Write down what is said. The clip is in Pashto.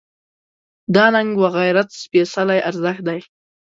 دا ننګ و غیرت سپېڅلی ارزښت دی.